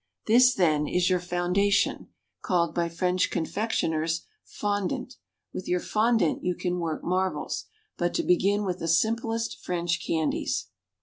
This, then, is your foundation, called by French confectioners fondant; with your fondant you can work marvels. But to begin with the simplest French candies.